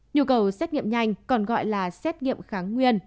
nhu cầu xét nghiệm nhanh còn gọi là xét nghiệm kháng nguyên